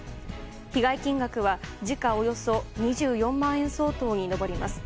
被害金額は時価およそ２４万円相当に上ります。